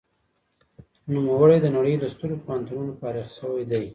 نوموړي د نړۍ له سترو پوهنتونونو فارغ شوی دی.